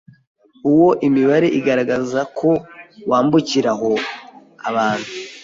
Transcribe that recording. wo imibare igaragaza ko wambukiraho abantu